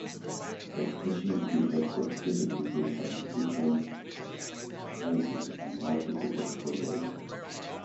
The special effects were created using substitution splices and multiple exposures.